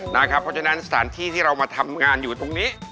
เพราะฉะนั้นสถานที่ที่เรามาทำงานอยู่ตรงนี้